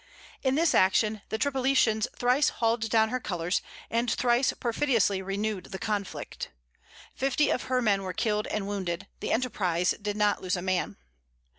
In this action the Tripolitans thrice hauled down her colors, and thrice perfidiously renewed the conflict. Fifty of her men were killed and wounded. The Enterprize did not lose a man.